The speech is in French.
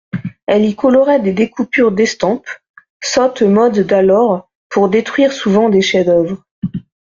Elle y colorait des découpures d'estampes (sotte mode d'alors pour détruire souvent des chefs-d'oeuvre).